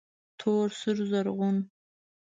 تور، سور، رزغون